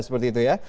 seperti itu ya